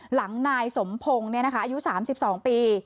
หลังนายสมพงฮ์เนี้ยนะคะอายุสามสิบสองปี